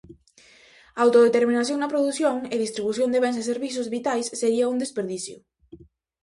A autodeterminación na produción e distribución de bens e servizos vitais sería un desperdicio.